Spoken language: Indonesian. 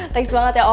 thanks banget ya om